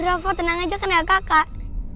rafa tenang aja kan gak kakak